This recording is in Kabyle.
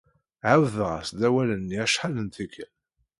Ɛawdeɣ-as-d awal-nni acḥal n tikkal.